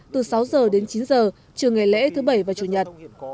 từ sáu giờ đến chín giờ trừ ngày lễ thứ bảy và chủ nhật